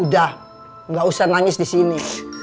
udah gak usah nangis disini